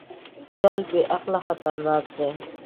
خیال بېعقله خطرناک دی.